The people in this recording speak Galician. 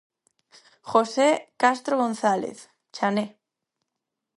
José Castro González, 'Chané'.